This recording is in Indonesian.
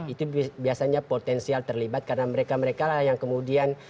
itu biasanya potensial terlibat karena mereka mereka lah yang kemudian